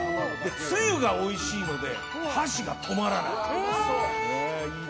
つゆがおいしいので箸が止まらない。